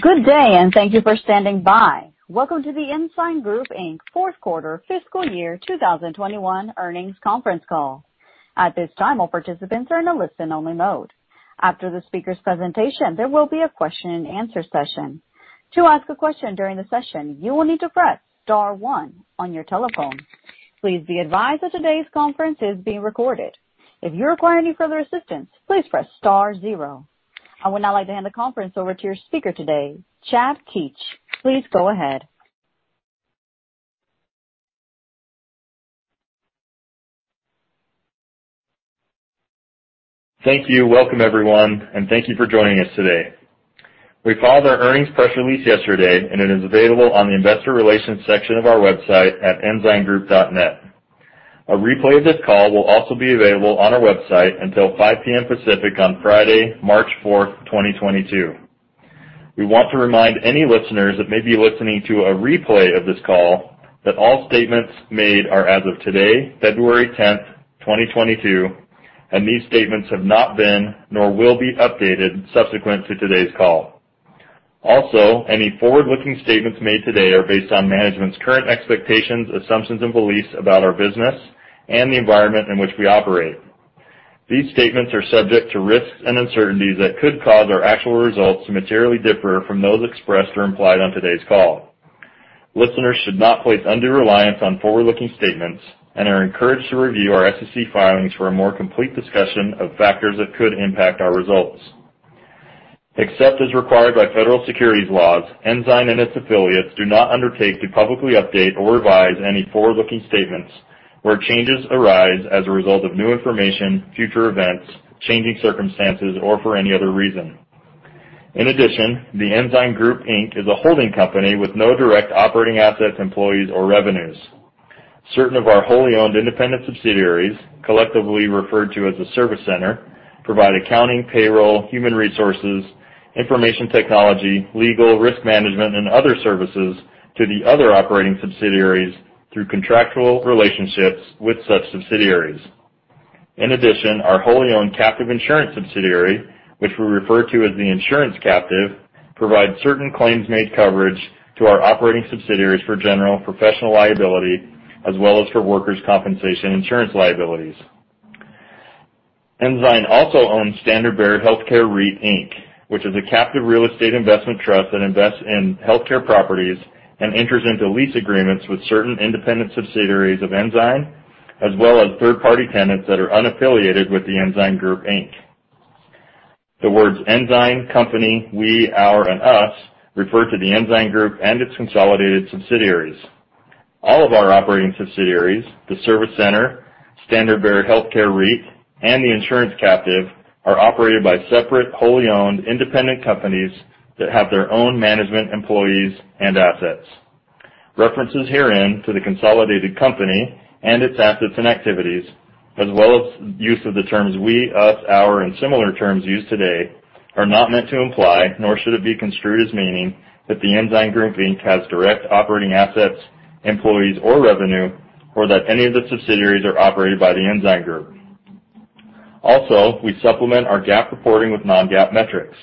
Good day, and thank you for standing by. Welcome to The Ensign Group, Inc. fourth quarter fiscal year 2021 earnings conference call. At this time, all participants are in a listen-only mode. After the speaker's presentation, there will be a question and answer session. To ask a question during the session, you will need to press star one on your telephone. Please be advised that today's conference is being recorded. If you require any further assistance, please press star zero. I would now like to hand the conference over to your speaker today, Chad Keetch. Please go ahead. Thank you. Welcome, everyone, and thank you for joining us today. We filed our earnings press release yesterday, and it is available on the investor relations section of our website at ensigngroup.net. A replay of this call will also be available on our website until 5:00 P.M. Pacific on Friday, March 4th, 2022. We want to remind any listeners that may be listening to a replay of this call that all statements made are as of today, February 10th, 2022, and these statements have not been nor will be updated subsequent to today's call. Also, any forward-looking statements made today are based on management's current expectations, assumptions, and beliefs about our business and the environment in which we operate. These statements are subject to risks and uncertainties that could cause our actual results to materially differ from those expressed or implied on today's call. Listeners should not place undue reliance on forward-looking statements and are encouraged to review our SEC filings for a more complete discussion of factors that could impact our results. Except as required by federal securities laws, Ensign and its affiliates do not undertake to publicly update or revise any forward-looking statements where changes arise as a result of new information, future events, changing circumstances, or for any other reason. In addition, The Ensign Group, Inc. is a holding company with no direct operating assets, employees, or revenues. Certain of our wholly owned independent subsidiaries, collectively referred to as a service center, provide accounting, payroll, human resources, information technology, legal, risk management, and other services to the other operating subsidiaries through contractual relationships with such subsidiaries. In addition, our wholly owned captive insurance subsidiary, which we refer to as the insurance captive, provides certain claims-made coverage to our operating subsidiaries for general professional liability as well as for workers' compensation insurance liabilities. Ensign also owns Standard Bearer Healthcare REIT, Inc., which is a captive real estate investment trust that invests in healthcare properties and enters into lease agreements with certain independent subsidiaries of Ensign, as well as third-party tenants that are unaffiliated with The Ensign Group, Inc. The words Ensign, company, we, our, and us refer to The Ensign Group and its consolidated subsidiaries. All of our operating subsidiaries, the service center, Standard Bearer Healthcare REIT, and the insurance captive, are operated by separate wholly owned independent companies that have their own management, employees, and assets. References herein to the consolidated company and its assets and activities, as well as use of the terms we, us, our, and similar terms used today, are not meant to imply, nor should it be construed as meaning, that the Ensign Group, Inc. has direct operating assets, employees, or revenue, or that any of the subsidiaries are operated by the Ensign Group. Also, we supplement our GAAP reporting with non-GAAP metrics.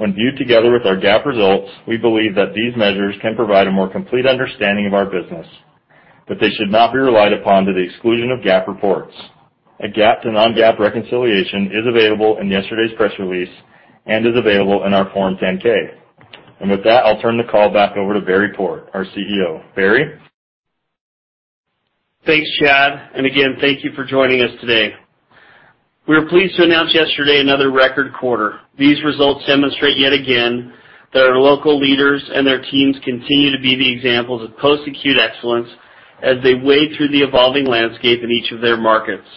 When viewed together with our GAAP results, we believe that these measures can provide a more complete understanding of our business, but they should not be relied upon to the exclusion of GAAP reports. A GAAP to non-GAAP reconciliation is available in yesterday's press release and is available in our Form 10-K. With that, I'll turn the call back over to Barry Port, our CEO. Barry? Thanks, Chad, and again, thank you for joining us today. We are pleased to announce yesterday another record quarter. These results demonstrate yet again that our local leaders and their teams continue to be the examples of post-acute excellence as they wade through the evolving landscape in each of their markets.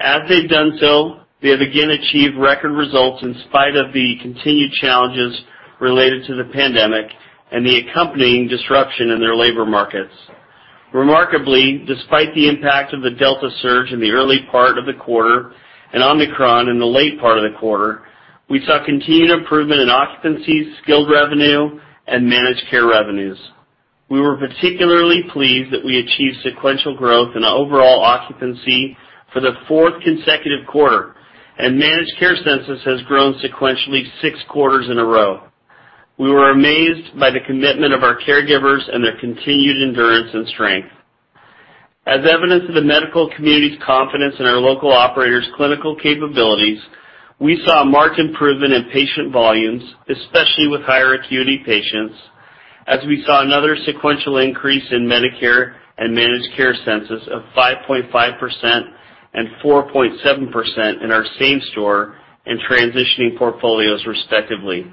As they've done so, they have again achieved record results in spite of the continued challenges related to the pandemic and the accompanying disruption in their labor markets. Remarkably, despite the impact of the Delta surge in the early part of the quarter and Omicron in the late part of the quarter, we saw continued improvement in occupancies, skilled revenue, and managed care revenues. We were particularly pleased that we achieved sequential growth in overall occupancy for the fourth consecutive quarter, and managed care census has grown sequentially six quarters in a row. We were amazed by the commitment of our caregivers and their continued endurance and strength. As evidence of the medical community's confidence in our local operators' clinical capabilities, we saw marked improvement in patient volumes, especially with higher acuity patients, as we saw another sequential increase in Medicare and managed care census of 5.5% and 4.7% in our same store and transitioning portfolios, respectively.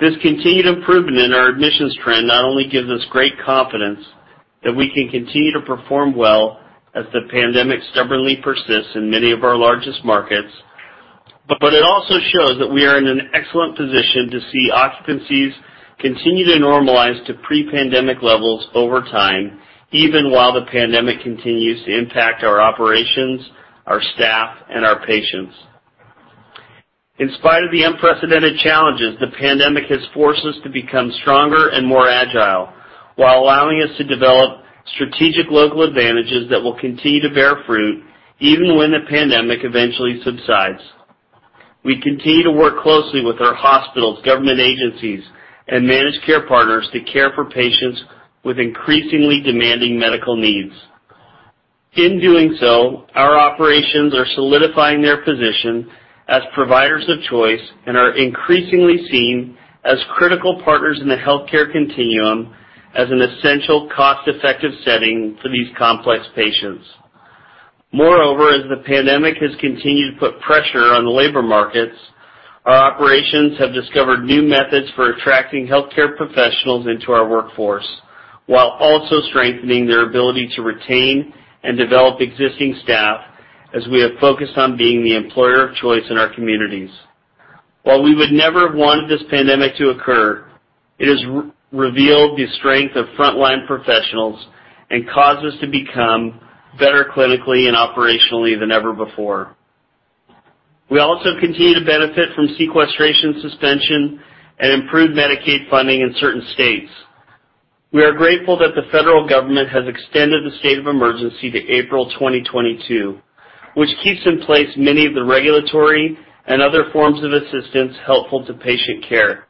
This continued improvement in our admissions trend not only gives us great confidence that we can continue to perform well as the pandemic stubbornly persists in many of our largest markets, but it also shows that we are in an excellent position to see occupancies continue to normalize to pre-pandemic levels over time, even while the pandemic continues to impact our operations, our staff, and our patients. In spite of the unprecedented challenges, the pandemic has forced us to become stronger and more agile, while allowing us to develop strategic local advantages that will continue to bear fruit even when the pandemic eventually subsides. We continue to work closely with our hospitals, government agencies, and managed care partners to care for patients with increasingly demanding medical needs. In doing so, our operations are solidifying their position as providers of choice and are increasingly seen as critical partners in the healthcare continuum as an essential cost-effective setting for these complex patients. Moreover, as the pandemic has continued to put pressure on the labor markets, our operations have discovered new methods for attracting healthcare professionals into our workforce, while also strengthening their ability to retain and develop existing staff, as we have focused on being the employer of choice in our communities. While we would never have wanted this pandemic to occur, it has revealed the strength of frontline professionals and caused us to become better clinically and operationally than ever before. We also continue to benefit from sequestration suspension and improved Medicaid funding in certain states. We are grateful that the federal government has extended the state of emergency to April 2022, which keeps in place many of the regulatory and other forms of assistance helpful to patient care.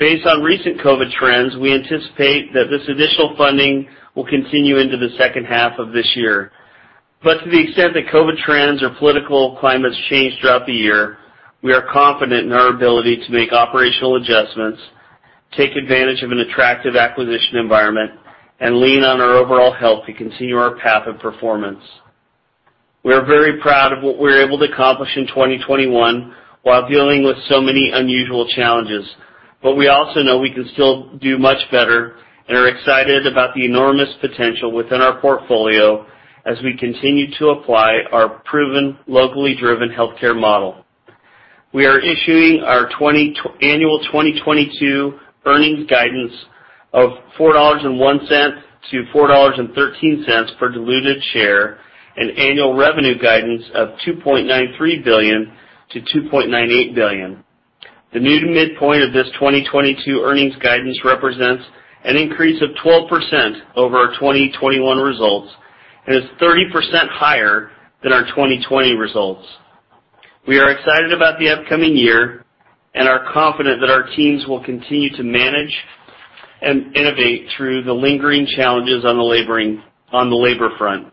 Based on recent COVID trends, we anticipate that this additional funding will continue into the second half of this year. To the extent that COVID trends or political climates change throughout the year, we are confident in our ability to make operational adjustments, take advantage of an attractive acquisition environment, and lean on our overall health to continue our path of performance. We are very proud of what we were able to accomplish in 2021 while dealing with so many unusual challenges. We also know we can still do much better and are excited about the enormous potential within our portfolio as we continue to apply our proven, locally driven healthcare model. We are issuing our annual 2022 earnings guidance of $4.01-$4.13 per diluted share, an annual revenue guidance of $2.93 billion-$2.98 billion. The new midpoint of this 2022 earnings guidance represents an increase of 12% over our 2021 results and is 30% higher than our 2020 results. We are excited about the upcoming year and are confident that our teams will continue to manage and innovate through the lingering challenges on the labor front.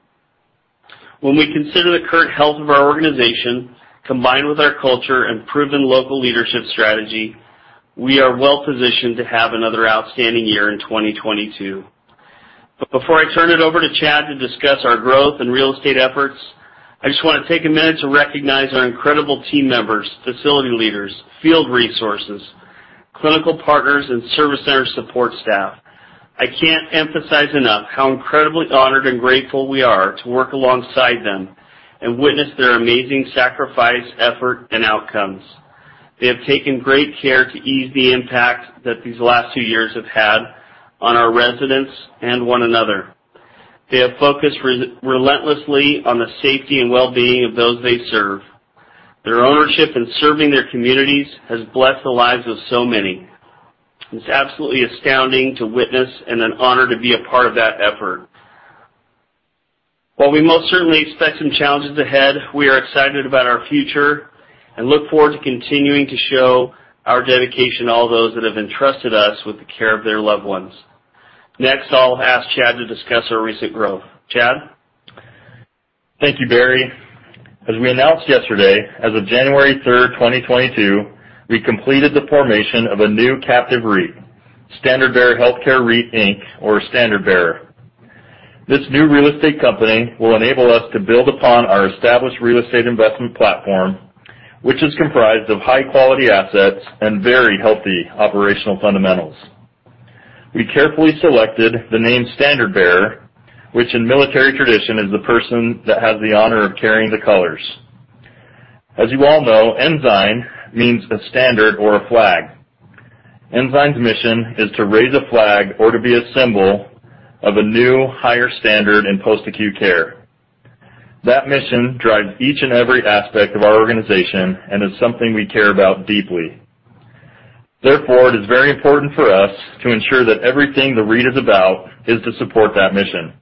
When we consider the current health of our organization, combined with our culture and proven local leadership strategy, we are well-positioned to have another outstanding year in 2022. Before I turn it over to Chad to discuss our growth and real estate efforts, I just want to take a minute to recognize our incredible team members, facility leaders, field resources, clinical partners, and service center support staff. I can't emphasize enough how incredibly honored and grateful we are to work alongside them and witness their amazing sacrifice, effort, and outcomes. They have taken great care to ease the impact that these last two years have had on our residents and one another. They have focused relentlessly on the safety and well-being of those they serve. Their ownership in serving their communities has blessed the lives of so many. It's absolutely astounding to witness and an honor to be a part of that effort. While we most certainly expect some challenges ahead, we are excited about our future and look forward to continuing to show our dedication to all those that have entrusted us with the care of their loved ones. Next, I'll ask Chad to discuss our recent growth. Chad? Thank you, Barry. As we announced yesterday, as of January 3rd, 2022, we completed the formation of a new captive REIT, Standard Bearer Healthcare REIT, Inc., or Standard Bearer. This new real estate company will enable us to build upon our established real estate investment platform, which is comprised of high-quality assets and very healthy operational fundamentals. We carefully selected the name Standard Bearer, which in military tradition is the person that has the honor of carrying the colors. As you all know, Ensign means a standard or a flag. Ensign's mission is to raise a flag or to be a symbol of a new higher standard in post-acute care. That mission drives each and every aspect of our organization and is something we care about deeply. Therefore, it is very important for us to ensure that everything the REIT is about is to support that mission.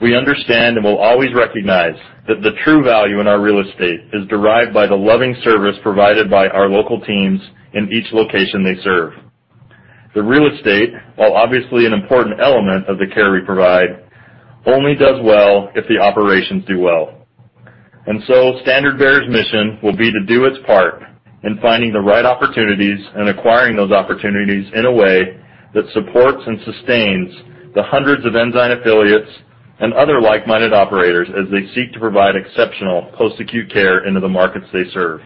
We understand and will always recognize that the true value in our real estate is derived by the loving service provided by our local teams in each location they serve. The real estate, while obviously an important element of the care we provide, only does well if the operations do well. Standard Bearer's mission will be to do its part in finding the right opportunities and acquiring those opportunities in a way that supports and sustains the hundreds of Ensign affiliates and other like-minded operators as they seek to provide exceptional post-acute care into the markets they serve.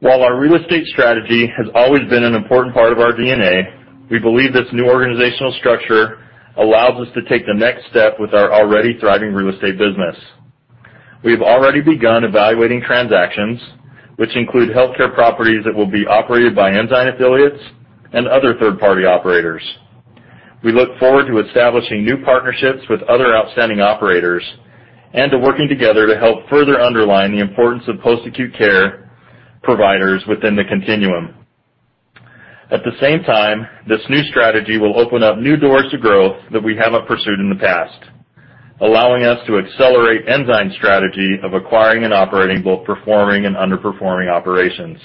While our real estate strategy has always been an important part of our DNA, we believe this new organizational structure allows us to take the next step with our already thriving real estate business. We've already begun evaluating transactions, which include healthcare properties that will be operated by Ensign affiliates and other third-party operators. We look forward to establishing new partnerships with other outstanding operators and to working together to help further underline the importance of post-acute care providers within the continuum. At the same time, this new strategy will open up new doors to growth that we haven't pursued in the past, allowing us to accelerate Ensign's strategy of acquiring and operating both performing and underperforming operations.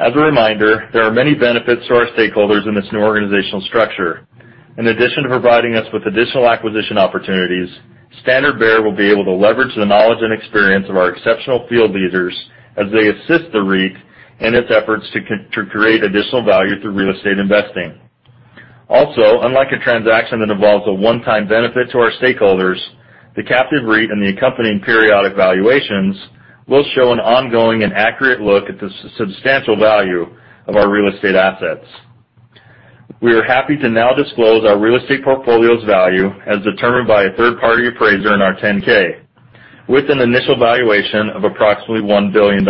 As a reminder, there are many benefits to our stakeholders in this new organizational structure. In addition to providing us with additional acquisition opportunities, Standard Bearer will be able to leverage the knowledge and experience of our exceptional field leaders as they assist the REIT in its efforts to to create additional value through real estate investing. Also, unlike a transaction that involves a one-time benefit to our stakeholders, the captive REIT and the accompanying periodic valuations will show an ongoing and accurate look at the substantial value of our real estate assets. We are happy to now disclose our real estate portfolio's value as determined by a third-party appraiser in our 10-K, with an initial valuation of approximately $1 billion.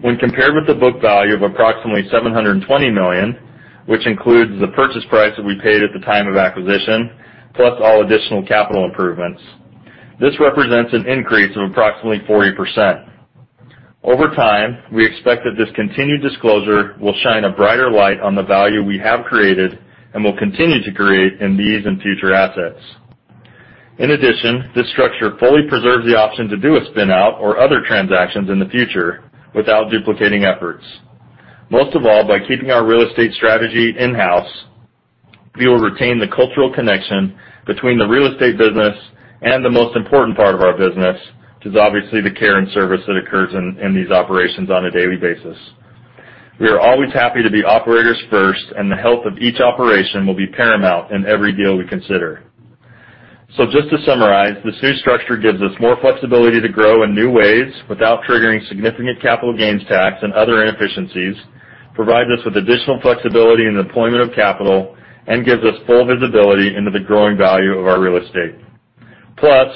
When compared with the book value of approximately $720 million, which includes the purchase price that we paid at the time of acquisition, plus all additional capital improvements, this represents an increase of approximately 40%. Over time, we expect that this continued disclosure will shine a brighter light on the value we have created and will continue to create in these and future assets. In addition, this structure fully preserves the option to do a spin-out or other transactions in the future without duplicating efforts. Most of all, by keeping our real estate strategy in-house, we will retain the cultural connection between the real estate business and the most important part of our business, which is obviously the care and service that occurs in these operations on a daily basis. We are always happy to be operators first, and the health of each operation will be paramount in every deal we consider. Just to summarize, this new structure gives us more flexibility to grow in new ways without triggering significant capital gains tax and other inefficiencies, provides us with additional flexibility in the deployment of capital, and gives us full visibility into the growing value of our real estate.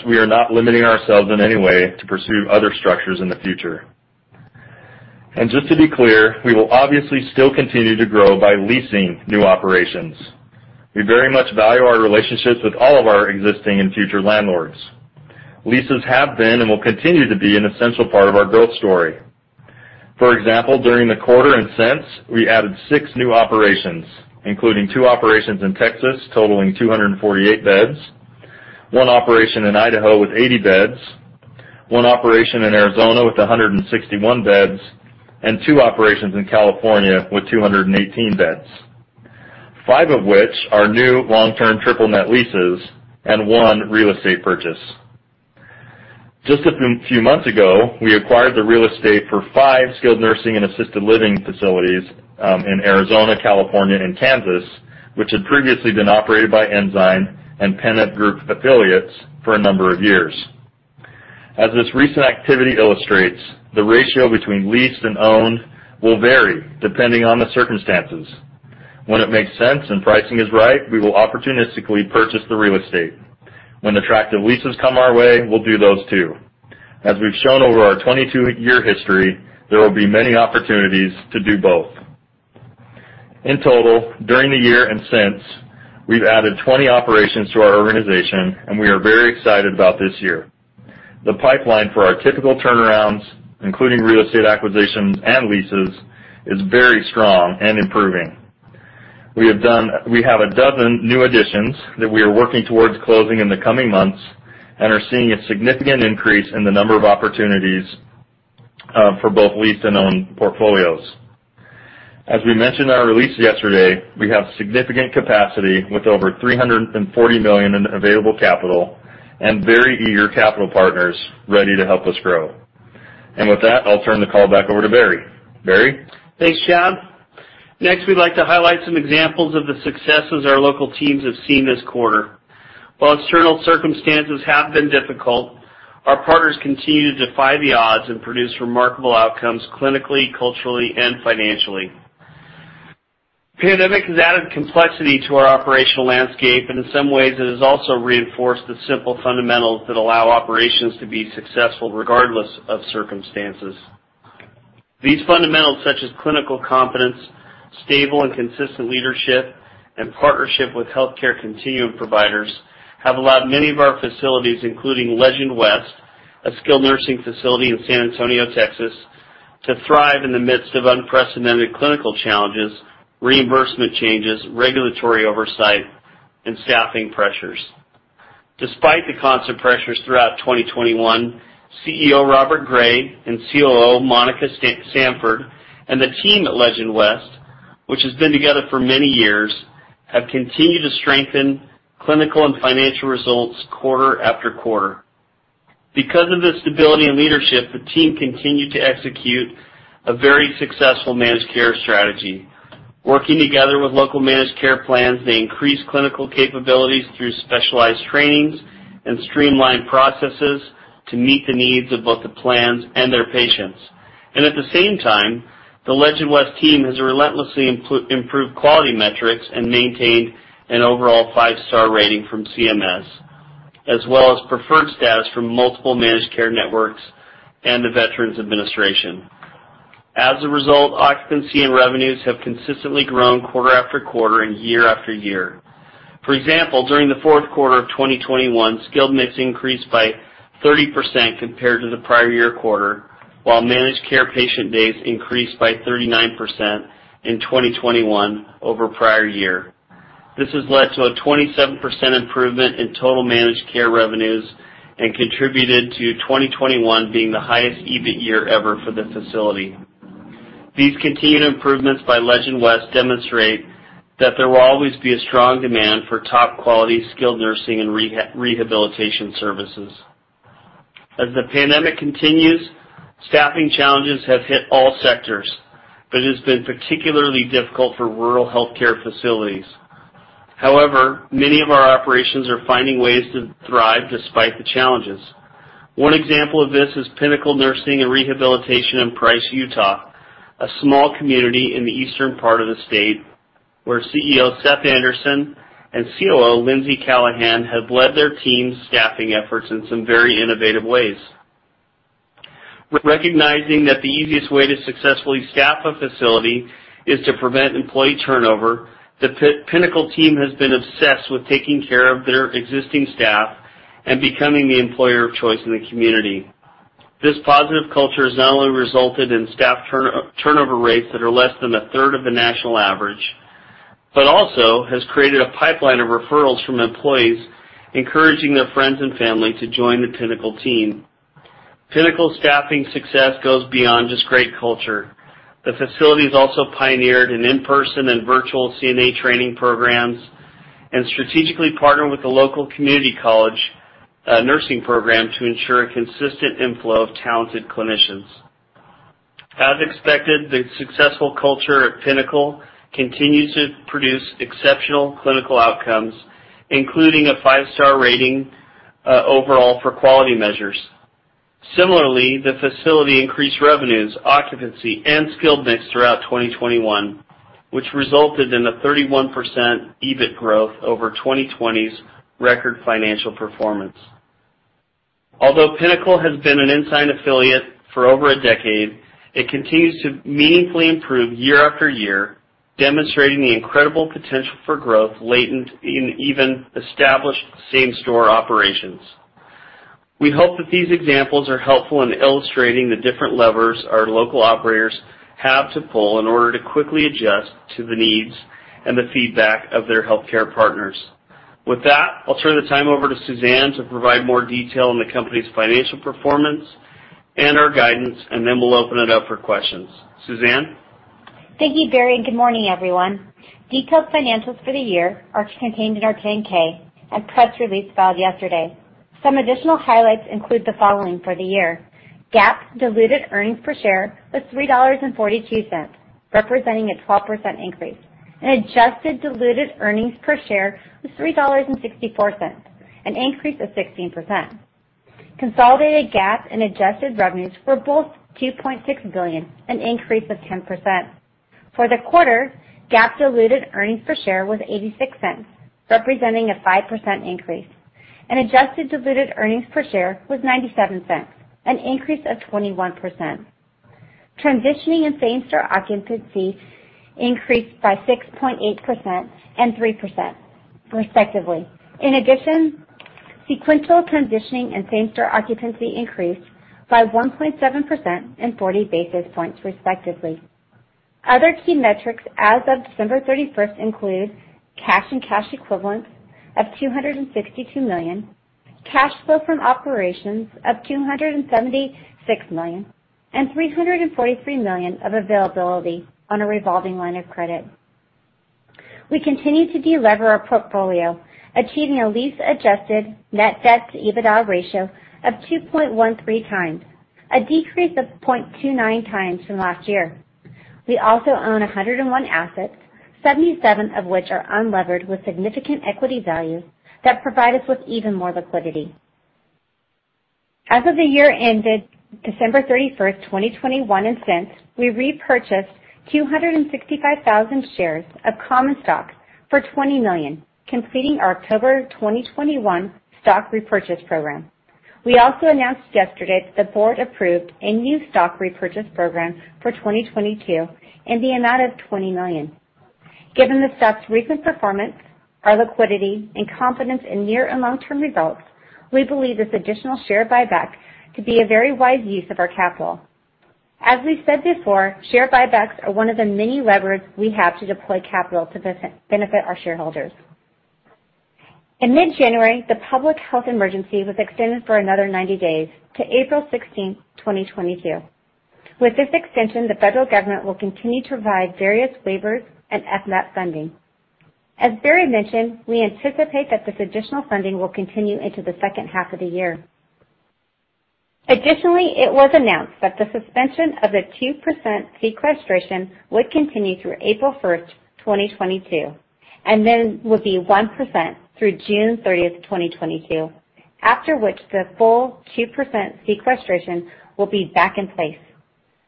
We are not limiting ourselves in any way to pursue other structures in the future. Just to be clear, we will obviously still continue to grow by leasing new operations. We very much value our relationships with all of our existing and future landlords. Leases have been and will continue to be an essential part of our growth story. For example, during the quarter and since, we added six new operations, including two operations in Texas totaling 248 beds, one operation in Idaho with 80 beds, one operation in Arizona with 161 beds, and one operations in California with 218 beds. Five of which are new long-term triple net leases and one real estate purchase. Just a few months ago, we acquired the real estate for five skilled nursing and assisted living facilities in Arizona, California, and Kansas, which had previously been operated by Ensign and Pennant Group affiliates for a number of years. As this recent activity illustrates, the ratio between leased and owned will vary depending on the circumstances. When it makes sense and pricing is right, we will opportunistically purchase the real estate. When attractive leases come our way, we'll do those too. As we've shown over our 22-year history, there will be many opportunities to do both. In total, during the year and since, we've added 20 operations to our organization, and we are very excited about this year. The pipeline for our typical turnarounds, including real estate acquisitions and leases, is very strong and improving. We have a dozen new additions that we are working towards closing in the coming months and are seeing a significant increase in the number of opportunities for both leased and owned portfolios. As we mentioned in our release yesterday, we have significant capacity with over $340 million in available capital and very eager capital partners ready to help us grow. With that, I'll turn the call back over to Barry. Barry? Thanks, Chad. Next, we'd like to highlight some examples of the successes our local teams have seen this quarter. While external circumstances have been difficult, our partners continue to defy the odds and produce remarkable outcomes clinically, culturally, and financially. Pandemic has added complexity to our operational landscape, and in some ways, it has also reinforced the simple fundamentals that allow operations to be successful regardless of circumstances. These fundamentals, such as clinical competence, stable and consistent leadership, and partnership with healthcare continuum providers, have allowed many of our facilities, including Legend West, a skilled nursing facility in San Antonio, Texas, to thrive in the midst of unprecedented clinical challenges, reimbursement changes, regulatory oversight, and staffing pressures. Despite the constant pressures throughout 2021, CEO Robert Gray and COO Monica Sanford, and the team at Legend West, which has been together for many years, have continued to strengthen clinical and financial results quarter after quarter. Because of the stability in leadership, the team continued to execute a very successful managed care strategy. Working together with local managed care plans, they increased clinical capabilities through specialized trainings and streamlined processes to meet the needs of both the plans and their patients. At the same time, the Legend West team has relentlessly improved quality metrics and maintained an overall five-star rating from CMS, as well as preferred status from multiple managed care networks and the Veterans Administration. As a result, occupancy and revenues have consistently grown quarter after quarter and year after year. For example, during the fourth quarter of 2021, skilled mix increased by 30% compared to the prior year quarter, while managed care patient days increased by 39% in 2021 over prior year. This has led to a 27% improvement in total managed care revenues and contributed to 2021 being the highest EBIT year ever for the facility. These continued improvements by Legend West demonstrate that there will always be a strong demand for top-quality skilled nursing and rehabilitation services. As the pandemic continues, staffing challenges have hit all sectors, but it has been particularly difficult for rural healthcare facilities. However, many of our operations are finding ways to thrive despite the challenges. One example of this is Pinnacle Nursing and Rehabilitation in Price, Utah, a small community in the eastern part of the state, where CEO Seth Anderson and COO Lindsey Callahan have led their team's staffing efforts in some very innovative ways. Recognizing that the easiest way to successfully staff a facility is to prevent employee turnover, the Pinnacle team has been obsessed with taking care of their existing staff and becoming the employer of choice in the community. This positive culture has not only resulted in staff turnover rates that are less than a third of the national average, but also has created a pipeline of referrals from employees encouraging their friends and family to join the Pinnacle team. Pinnacle staffing success goes beyond just great culture. The facilities also pioneered an in-person and virtual CNA training programs and strategically partnered with the local community college, nursing program to ensure a consistent inflow of talented clinicians. As expected, the successful culture at Pinnacle continues to produce exceptional clinical outcomes, including a five-star rating, overall for quality measures. Similarly, the facility increased revenues, occupancy, and skilled mix throughout 2021, which resulted in a 31% EBIT growth over 2020's record financial performance. Although Pinnacle has been an Ensign affiliate for over a decade, it continues to meaningfully improve year after year, demonstrating the incredible potential for growth latent in even established same store operations. We hope that these examples are helpful in illustrating the different levers our local operators have to pull in order to quickly adjust to the needs and the feedback of their healthcare partners. With that, I'll turn the time over to Suzanne to provide more detail on the company's financial performance and our guidance, and then we'll open it up for questions. Suzanne? Thank you, Barry, and good morning, everyone. Detailed financials for the year are contained in our 10-K and press release filed yesterday. Some additional highlights include the following for the year. GAAP diluted earnings per share was $3.42, representing a 12% increase, and adjusted diluted earnings per share was $3.64, an increase of 16%. Consolidated GAAP and adjusted revenues were both $2.6 billion, an increase of 10%. For the quarter, GAAP diluted earnings per share was $0.86, representing a 5% increase, and adjusted diluted earnings per share was $0.97, an increase of 21%. Transitioning and same store occupancy increased by 6.8% and 3%, respectively. In addition, sequential transitioning and same store occupancy increased by 1.7% and 40 basis points, respectively. Other key metrics as of December 31st include cash and cash equivalents of $262 million, cash flow from operations of $276 million, and $343 million of availability on a revolving line of credit. We continue to delever our portfolio, achieving a lease-adjusted net debt-to-EBITDA ratio of 2.13x, a decrease of 0.29x from last year. We also own 101 assets, 77 of which are unlevered with significant equity value that provide us with even more liquidity. As of the year ended December 31st, 2021 and since, we repurchased 265,000 shares of common stock for $20 million, completing our October 2021 stock repurchase program. We also announced yesterday that the board approved a new stock repurchase program for 2022 in the amount of $20 million. Given the stock's recent performance, our liquidity, and confidence in near and long-term results, we believe this additional share buyback to be a very wise use of our capital. As we said before, share buybacks are one of the many levers we have to deploy capital to benefit our shareholders. In mid-January, the public health emergency was extended for another 90 days to April 16th, 2022. With this extension, the federal government will continue to provide various waivers and FMAP funding. As Barry mentioned, we anticipate that this additional funding will continue into the second half of the year. Additionally, it was announced that the suspension of the 2% sequestration would continue through April 1st, 2022, and then will be 1% through June 30th, 2022, after which the full 2% sequestration will be back in place.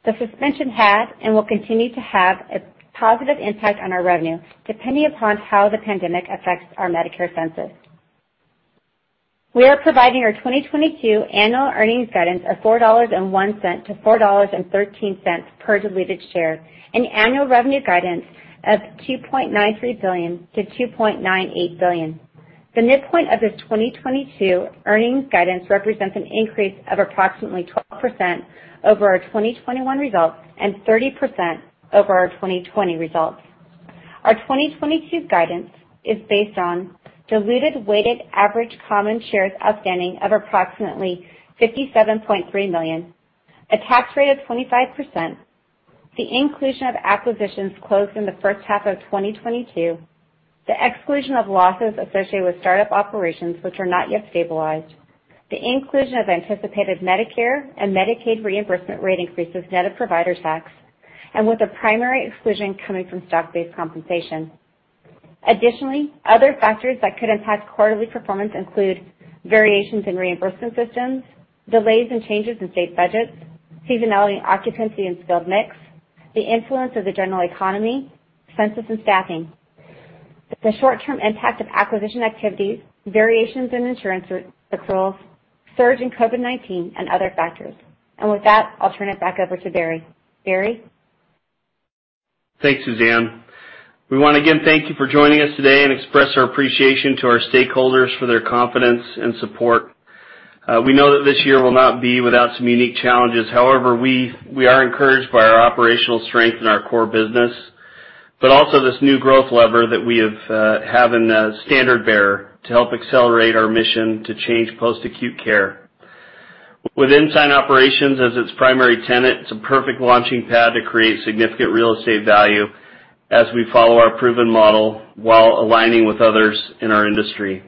The suspension had and will continue to have a positive impact on our revenue, depending upon how the pandemic affects our Medicare census. We are providing our 2022 annual earnings guidance of $4.01-$4.13 per diluted share, and annual revenue guidance of $2.93 billion-$2.98 billion. The midpoint of this 2022 earnings guidance represents an increase of approximately 12% over our 2021 results and 30% over our 2020 results. Our 2022 guidance is based on diluted weighted average common shares outstanding of approximately 57.3 million, a tax rate of 25%, the inclusion of acquisitions closed in the first half of 2022, the exclusion of losses associated with start-up operations which are not yet stabilized, the inclusion of anticipated Medicare and Medicaid reimbursement rate increases net of provider tax, and with the primary exclusion coming from stock-based compensation. Additionally, other factors that could impact quarterly performance include variations in reimbursement systems, delays and changes in state budgets, seasonality, occupancy and skilled mix, the influence of the general economy, census and staffing, the short-term impact of acquisition activities, variations in insurance controls, surge in COVID-19 and other factors. With that, I'll turn it back over to Barry. Barry? Thanks, Suzanne. We wanna, again, thank you for joining us today and express our appreciation to our stakeholders for their confidence and support. We know that this year will not be without some unique challenges. However, we are encouraged by our operational strength in our core business, but also this new growth lever that we have in the Standard Bearer to help accelerate our mission to change post-acute care. With Ensign Operations as its primary tenant, it's a perfect launching pad to create significant real estate value as we follow our proven model while aligning with others in our industry.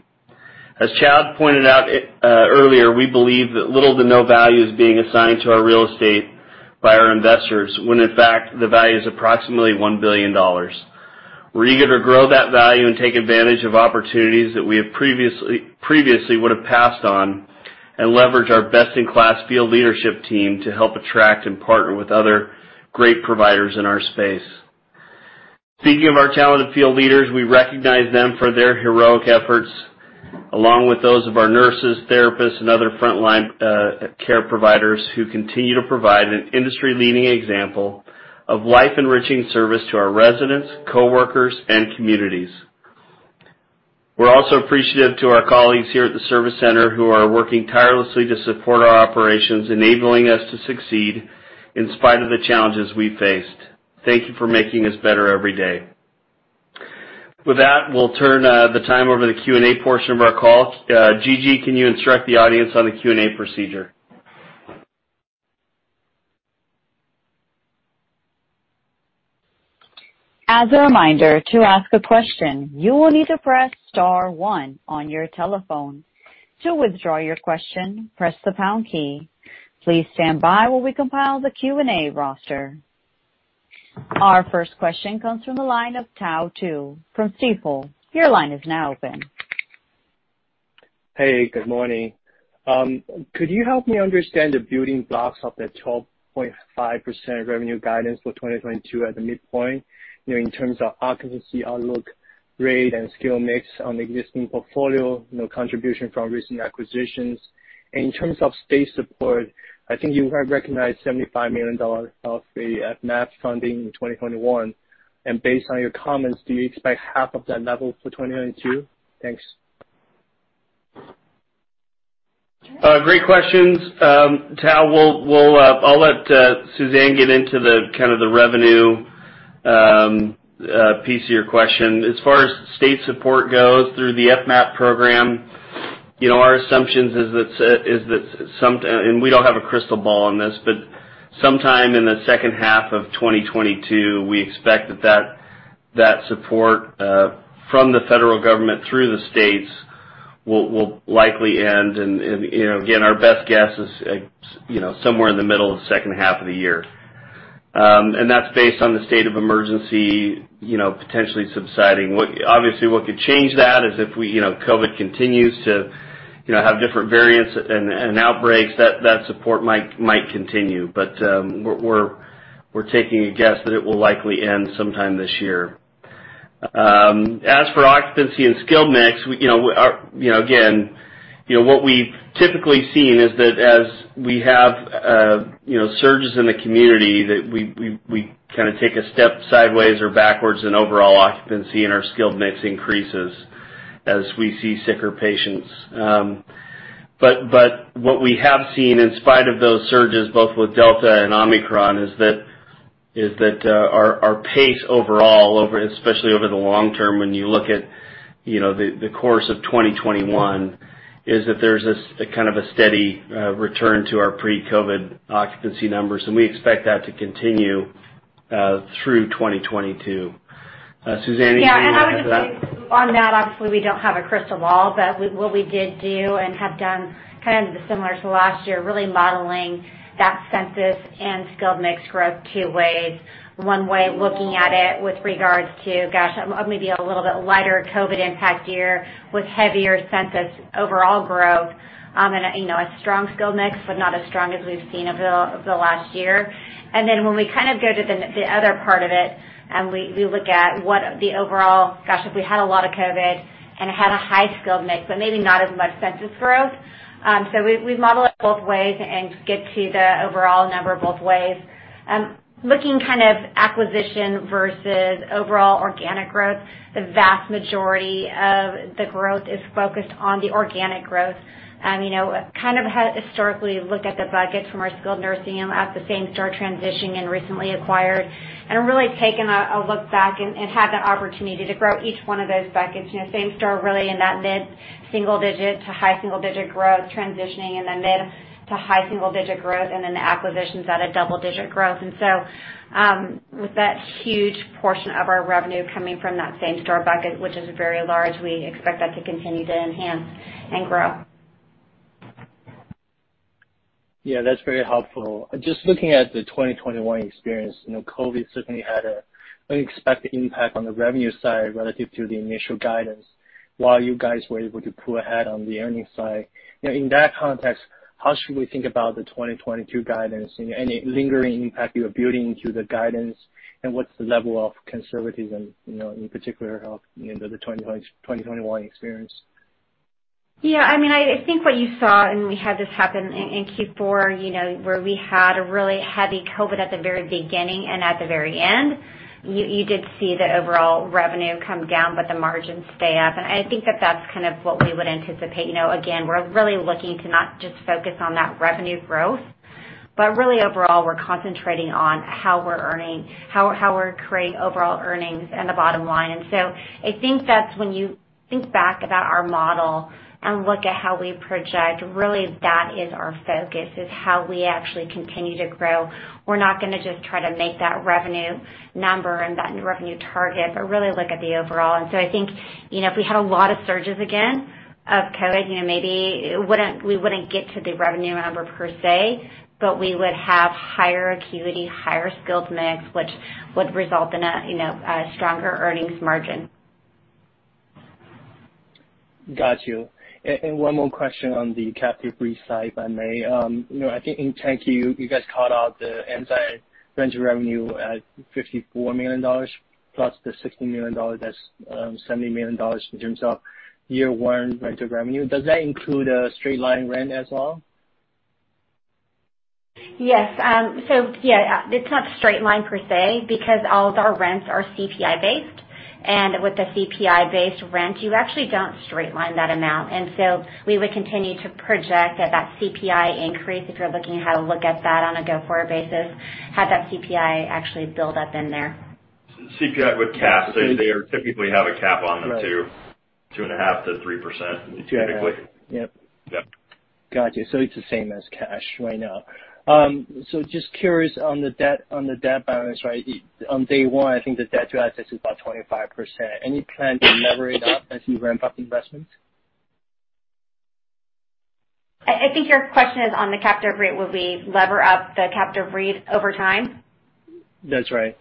As Chad pointed out earlier, we believe that little to no value is being assigned to our real estate by our investors, when in fact the value is approximately $1 billion. We're eager to grow that value and take advantage of opportunities that we have previously would have passed on and leverage our best-in-class field leadership team to help attract and partner with other great providers in our space. Speaking of our talented field leaders, we recognize them for their heroic efforts, along with those of our nurses, therapists, and other frontline care providers who continue to provide an industry-leading example of life-enriching service to our residents, coworkers, and communities. We're also appreciative to our colleagues here at the service center, who are working tirelessly to support our operations, enabling us to succeed in spite of the challenges we faced. Thank you for making us better every day. With that, we'll turn the time over to the Q&A portion of our call. Gigi, can you instruct the audience on the Q&A procedure? As a reminder, to ask a question, you will need to press star one on your telephone. To withdraw your question, press the pound key. Please stand by while we compile the Q&A roster. Our first question comes from the line of Tao Qiu from Stifel. Your line is now open. Hey, good morning. Could you help me understand the building blocks of the 12.5% revenue guidance for 2022 at the midpoint, you know, in terms of occupancy outlook, rate, and skill mix on the existing portfolio, you know, contribution from recent acquisitions? In terms of state support, I think you have recognized $75 million of the FMAP funding in 2021. Based on your comments, do you expect half of that level for 2022? Thanks. Great questions. Tao, we'll, I'll let Suzanne get into the kind of the revenue piece of your question. As far as state support goes through the FMAP program, you know, our assumptions is that we don't have a crystal ball on this, but sometime in the second half of 2022, we expect that support from the federal government through the states will likely end. You know, again, our best guess is, you know, somewhere in the middle of the second half of the year. That's based on the state of emergency, you know, potentially subsiding. What could change that is if, you know, COVID continues to, you know, have different variants and outbreaks, that support might continue. We're taking a guess that it will likely end sometime this year. As for occupancy and skill mix, we you know our you know again you know what we've typically seen is that as we have you know surges in the community that we kinda take a step sideways or backwards in overall occupancy and our skilled mix increases as we see sicker patients. What we have seen in spite of those surges, both with Delta and Omicron, is that our pace overall over especially over the long term when you look at you know the course of 2021 is that there's this a kind of a steady return to our pre-COVID occupancy numbers, and we expect that to continue through 2022. Suzanne, anything you wanna add to that? Yeah. I would just say on that, obviously, we don't have a crystal ball, but what we did do and have done kind of similar to last year, really modeling that census and skilled mix growth two ways. One way, looking at it with regards to, gosh, maybe a little bit lighter COVID impact year with heavier census overall growth, and, you know, a strong skilled mix, but not as strong as we've seen over the last year. Then when we kind of go to the other part of it and we look at what the overall. Gosh, if we had a lot of COVID and had a high skilled mix, but maybe not as much census growth. We model it both ways and get to the overall number both ways. Looking at acquisition versus overall organic growth, the vast majority of the growth is focused on the organic growth. You know, kind of historically look at the buckets from our skilled nursing and assisted, the same-store transition and recently acquired, and really taken a look back and had the opportunity to grow each one of those buckets. You know, same store really in that mid-single digit to high single digit growth, transitioning in the mid to high single digit growth, and then the acquisitions at a double digit growth. With that huge portion of our revenue coming from that same store bucket, which is very large, we expect that to continue to enhance and grow. Yeah, that's very helpful. Just looking at the 2021 experience, you know, COVID certainly had an unexpected impact on the revenue side relative to the initial guidance, while you guys were able to pull ahead on the earnings side. You know, in that context, how should we think about the 2022 guidance? Any lingering impact you're building into the guidance, and what's the level of conservatism, you know, in particular of, you know, the 2021 experience? Yeah, I mean, I think what you saw, and we had this happen in Q4, you know, where we had a really heavy COVID at the very beginning and at the very end. You did see the overall revenue come down, but the margins stay up. I think that that's kind of what we would anticipate. You know, again, we're really looking to not just focus on that revenue growth, but really overall, we're concentrating on how we're earning, how we're creating overall earnings and the bottom line. I think that's when you think back about our model and look at how we project, really that is our focus, is how we actually continue to grow. We're not gonna just try to make that revenue number and that revenue target, but really look at the overall. I think, you know, if we had a lot of surges again of COVID, you know, maybe it wouldn't, we wouldn't get to the revenue number per se, but we would have higher acuity, higher skilled mix, which would result in a, you know, a stronger earnings margin. Got you. One more question on the captive REIT side, if I may. You know, I think in 10-Q, you guys called out the Ensign venture revenue at $54 million plus the $60 million, that's $70 million in terms of year one rental revenue. Does that include straight line rent as well? Yes. It's not straight line per se because all of our rents are CPI based. With the CPI based rent, you actually don't straight line that amount. We would continue to project at that CPI increase if you're looking at how to look at that on a go-forward basis, have that CPI actually build up in there. CPI with caps. They typically have a cap on them too. Right. 2.5%-3% typically. Got it. Yep. Yep. Got you. It's the same as cash right now. Just curious on the debt, on the debt balance, right? On day one, I think the debt to assets is about 25%. Any plan to lever it up as you ramp up investments? I think your question is on the captive REIT. Will we lever up the captive REIT over time? That's right.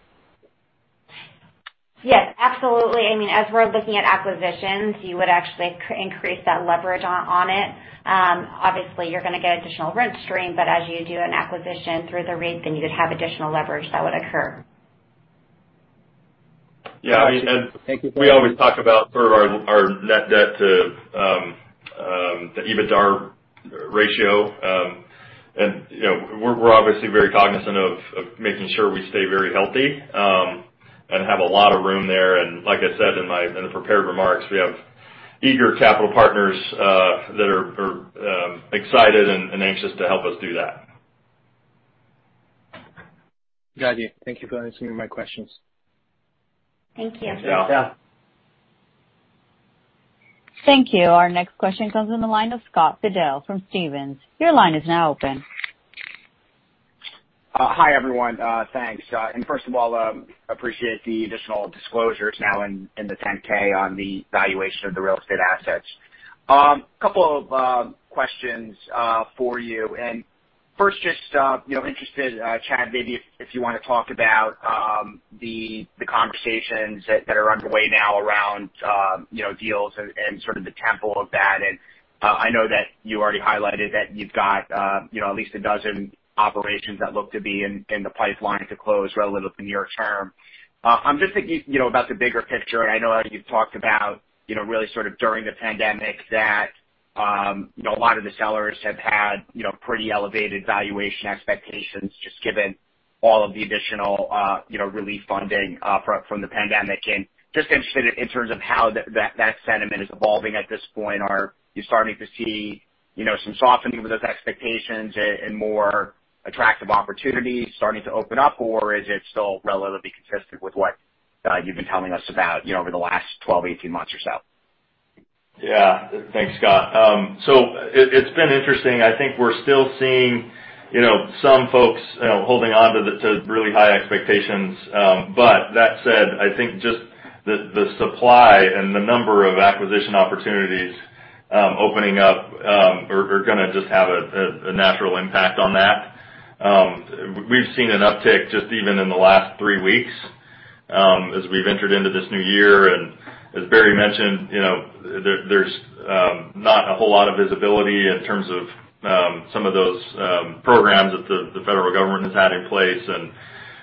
Yes, absolutely. I mean, as we're looking at acquisitions, you would actually increase that leverage on it. Obviously you're gonna get additional rent stream, but as you do an acquisition through the REIT, then you'd have additional leverage that would occur. Got you. Thank you. Yeah, I mean, we always talk about sort of our net debt to the EBITDA ratio. You know, we're obviously very cognizant of making sure we stay very healthy and have a lot of room there. Like I said in my prepared remarks, we have eager capital partners that are excited and anxious to help us do that. Got you. Thank you for answering my questions. Thank you. Yeah. Yeah. Thank you. Our next question comes from the line of Scott Fidel from Stephens. Your line is now open. Hi, everyone. Thanks. First of all, appreciate the additional disclosures now in the 10-K on the valuation of the real estate assets. Couple of questions for you. First, just you know, interested, Chad, maybe if you wanna talk about the conversations that are underway now around, you know, deals and sort of the tempo of that. I know that you already highlighted that you've got, you know, at least a dozen operations that look to be in the pipeline to close relatively near term. I'm just thinking, you know, about the bigger picture. I know you've talked about, you know, really sort of during the pandemic that, you know, a lot of the sellers have had, you know, pretty elevated valuation expectations just given all of the additional, you know, relief funding from the pandemic. Just interested in terms of how that sentiment is evolving at this point. Are you starting to see, you know, some softening with those expectations and more attractive opportunities starting to open up, or is it still relatively consistent with what you've been telling us about, you know, over the last 12, 18 months or so? Yeah. Thanks, Scott. It's been interesting. I think we're still seeing, you know, some folks, you know, holding on to really high expectations. That said, I think just the supply and the number of acquisition opportunities opening up are gonna just have a natural impact on that. We've seen an uptick just even in the last three weeks. As we've entered into this new year, and as Barry mentioned, you know, there's not a whole lot of visibility in terms of some of those programs that the federal government has had in place.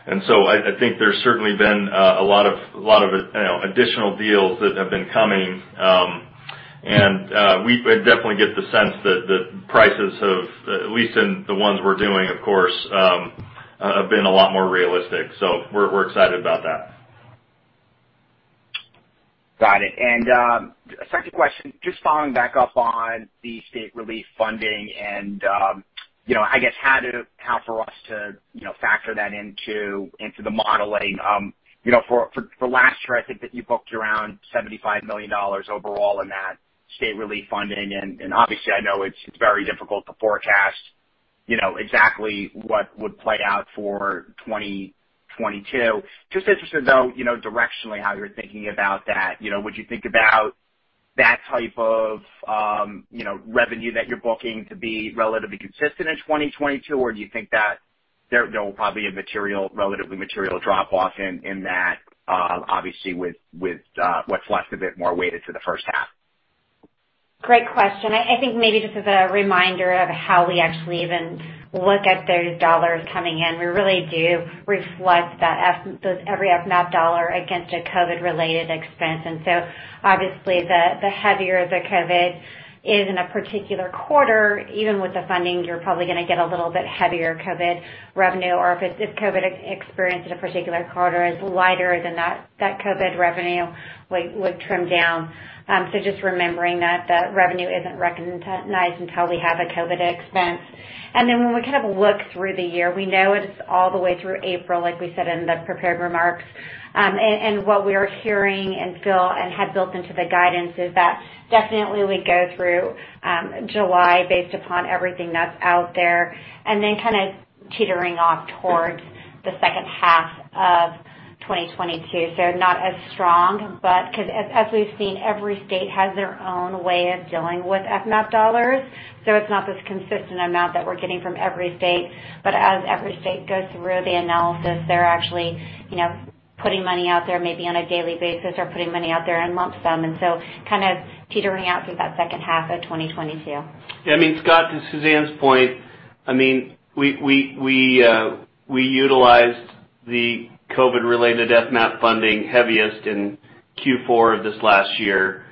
I think there's certainly been a lot of, you know, additional deals that have been coming. I definitely get the sense that prices have, at least in the ones we're doing, of course, have been a lot more realistic. We're excited about that. Got it. Second question, just following back up on the state relief funding and, you know, I guess, how for us to, you know, factor that into the modeling. You know, for last year, I think that you booked around $75 million overall in that state relief funding. Obviously I know it's very difficult to forecast, you know, exactly what would play out for 2022. Just interested though, you know, directionally how you're thinking about that. You know, would you think about that type of, you know, revenue that you're booking to be relatively consistent in 2022? Or do you think that there will probably a relatively material drop off in that, obviously with what's left a bit more weighted to the first half? Great question. I think maybe just as a reminder of how we actually even look at those dollars coming in. We really do reflect every FMAP dollar against a COVID-related expense. Obviously, the heavier the COVID is in a particular quarter, even with the funding, you're probably gonna get a little bit heavier COVID revenue. Or if COVID experience in a particular quarter is lighter, then that COVID revenue will trim down. Just remembering that the revenue isn't recognized until we have a COVID expense. Then when we kind of look through the year, we know it's all the way through April, like we said in the prepared remarks. What we're hearing and feel and had built into the guidance is that definitely we go through July based upon everything that's out there. Then kinda teetering off towards the second half of 2022, so not as strong. But 'cause as we've seen, every state has their own way of dealing with FMAP dollars, so it's not this consistent amount that we're getting from every state. As every state goes through the analysis, they're actually, you know, putting money out there maybe on a daily basis or putting money out there in lump sum, and so kind of teetering out through that second half of 2022. Yeah. I mean, Scott, to Suzanne's point, I mean, we utilized the COVID-related FMAP funding heaviest in Q4 of this last year.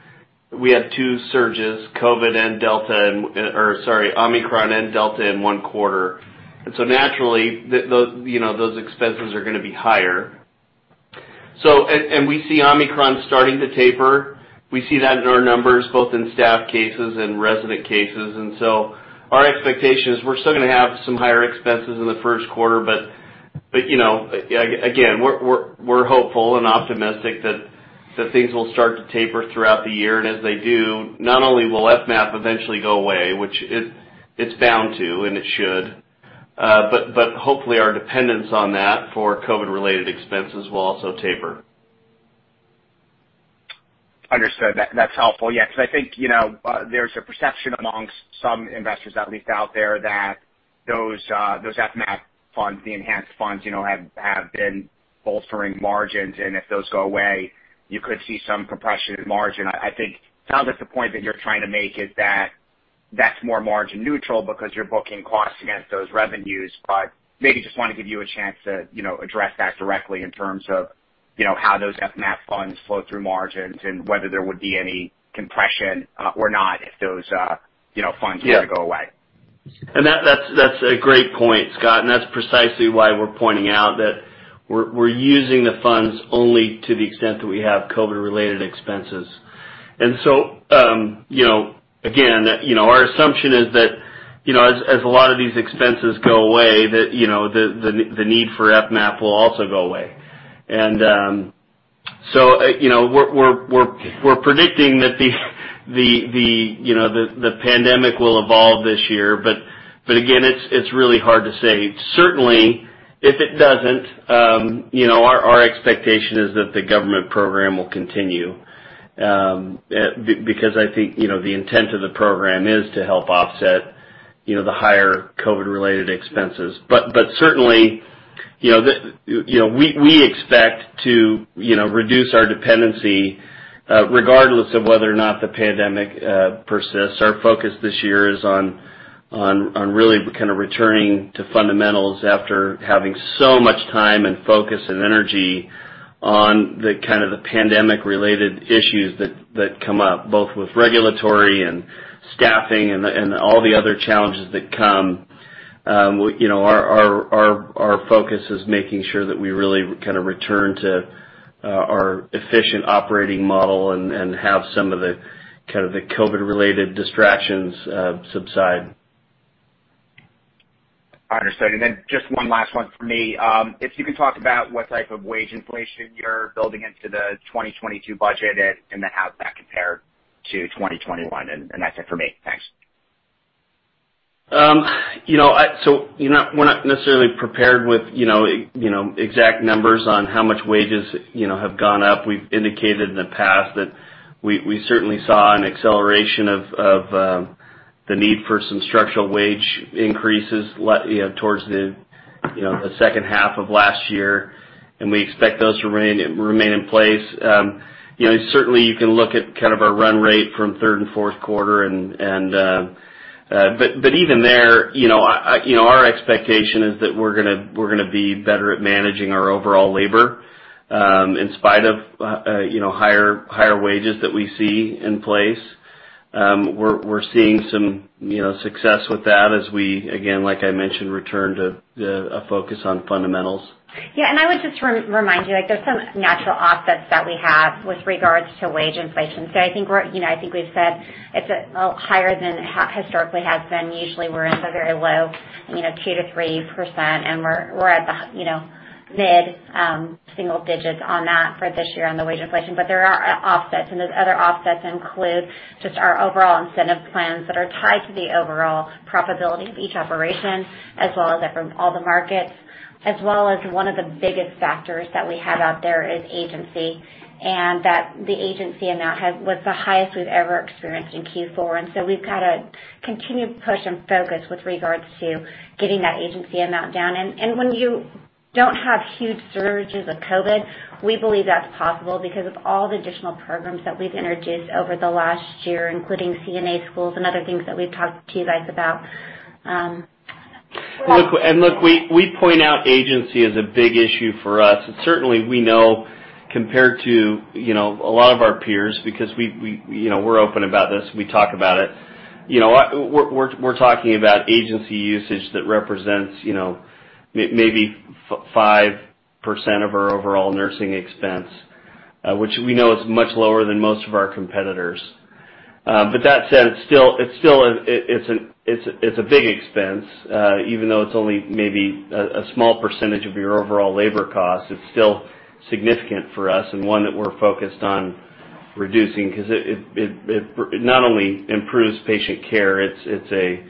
We had two surges, Omicron and Delta in one quarter. Naturally those, you know, those expenses are gonna be higher. We see Omicron starting to taper. We see that in our numbers, both in staff cases and resident cases. Our expectation is we're still gonna have some higher expenses in the first quarter, but, you know, again, we're hopeful and optimistic that things will start to taper throughout the year. As they do, not only will FMAP eventually go away, which it is bound to, and it should, but hopefully our dependence on that for COVID-related expenses will also taper. Understood. That's helpful. Yeah, 'cause I think, you know, there's a perception amongst some investors at least out there that those FMAP funds, the enhanced funds, you know, have been bolstering margins, and if those go away, you could see some compression in margin. I think sounds like the point that you're trying to make is that that's more margin neutral because you're booking costs against those revenues. But maybe just wanna give you a chance to, you know, address that directly in terms of, you know, how those FMAP funds flow through margins and whether there would be any compression or not if those, you know, funds were to go away. Yeah, that's a great point, Scott. That's precisely why we're pointing out that we're using the funds only to the extent that we have COVID-related expenses. You know, again, you know, our assumption is that, you know, as a lot of these expenses go away that, you know, the need for FMAP will also go away. You know, we're predicting that the pandemic will evolve this year, but again, it's really hard to say. Certainly, if it doesn't, you know, our expectation is that the government program will continue, because I think, you know, the intent of the program is to help offset, you know, the higher COVID-related expenses. Certainly, you know, we expect to, you know, reduce our dependency regardless of whether or not the pandemic persists. Our focus this year is on really kind of returning to fundamentals after having so much time and focus and energy on the kind of the pandemic-related issues that come up, both with regulatory and staffing and all the other challenges that come. You know, our focus is making sure that we really kinda return to our efficient operating model and have some of the kind of the COVID-related distractions subside. Understood. Just one last one for me. If you could talk about what type of wage inflation you're building into the 2022 budget and then how's that compared to 2021? That's it for me. Thanks. You know, we're not necessarily prepared with you know, exact numbers on how much wages you know, have gone up. We've indicated in the past that we certainly saw an acceleration of the need for some structural wage increases towards you know, the second half of last year, and we expect those to remain in place. You know, certainly you can look at kind of our run rate from third and fourth quarter and even there, you know, our expectation is that we're gonna be better at managing our overall labor in spite of you know, higher wages that we see in place. We're seeing some, you know, success with that as we, again, like I mentioned, return to a focus on fundamentals. Yeah. I would just remind you, like there's some natural offsets that we have with regards to wage inflation. I think we're, you know, I think we've said it's a higher than it historically has been. Usually we're in the very low, you know, 2%-3%, and we're at the, you know, mid single digits on that for this year on the wage inflation. There are offsets, and those other offsets include just our overall incentive plans that are tied to the overall profitability of each operation, as well as from all the markets, as well as one of the biggest factors that we have out there is agency, and that the agency amount was the highest we've ever experienced in Q4. We've got to continue to push and focus with regards to getting that agency amount down. When you don't have huge surges of COVID, we believe that's possible because of all the additional programs that we've introduced over the last year, including CNA schools and other things that we've talked to you guys about. Look, we point out agency is a big issue for us. Certainly we know compared to, you know, a lot of our peers because we, you know, we're open about this, we talk about it. You know, we're talking about agency usage that represents, you know, maybe 5% of our overall nursing expense, which we know is much lower than most of our competitors. That said, it's still a big expense. Even though it's only maybe a small percentage of your overall labor cost, it's still significant for us and one that we're focused on reducing because it not only improves patient care, it's a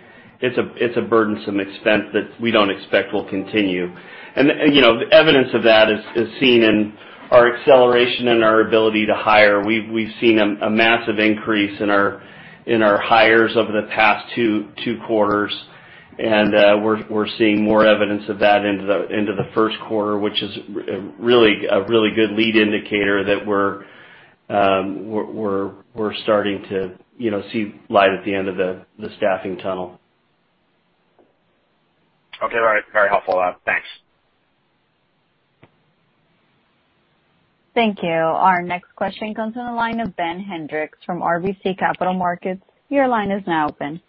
burdensome expense that we don't expect will continue. You know, evidence of that is seen in our acceleration and our ability to hire. We've seen a massive increase in our hires over the past two quarters. We're seeing more evidence of that into the first quarter, which is really a good lead indicator that we're starting to, you know, see light at the end of the staffing tunnel. Okay. All right. Very helpful. Thanks. Thank you. Our next question comes in the line of Ben Hendrix from RBC Capital Markets. Your line is now open.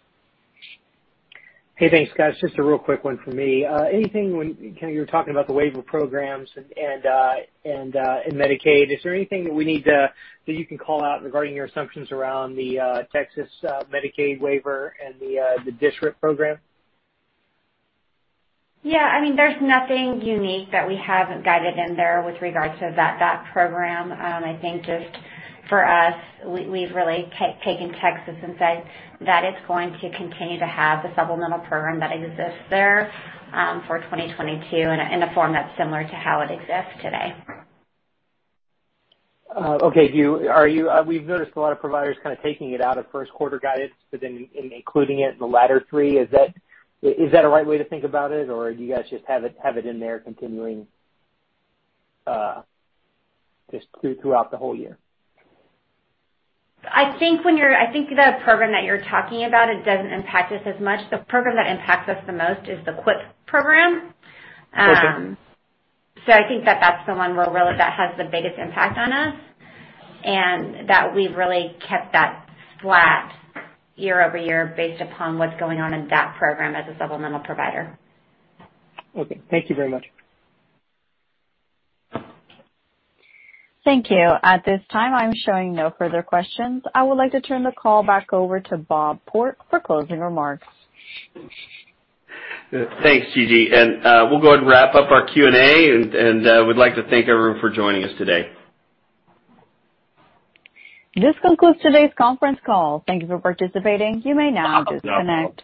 Hey, thanks guys. Just a real quick one for me. Anything when, you know, you were talking about the waiver programs and Medicaid, is there anything that you can call out regarding your assumptions around the Texas Medicaid waiver and the DSRIP program? Yeah. I mean, there's nothing unique that we haven't guided in there with regards to that program. I think just for us, we've really taken Texas and said that it's going to continue to have the supplemental program that exists there, for 2022 in a form that's similar to how it exists today. Okay. We've noticed a lot of providers kind of taking it out of first quarter guidance, but then including it in the latter three. Is that a right way to think about it, or do you guys just have it in there continuing just throughout the whole year? I think the program that you're talking about, it doesn't impact us as much. The program that impacts us the most is the QIPP program. I think that that's the one where really that has the biggest impact on us and that we've really kept that flat year-over-year based upon what's going on in that program as a supplemental provider. Okay. Thank you very much. Thank you. At this time, I'm showing no further questions. I would like to turn the call back over to Barry Port for closing remarks. Thanks, Gigi, and we'll go ahead and wrap up our Q&A and we'd like to thank everyone for joining us today. This concludes today's conference call. Thank you for participating. You may now disconnect.